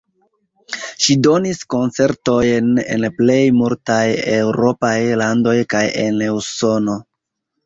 Ŝi donis koncertojn en plej multaj eŭropaj landoj kaj en Usono.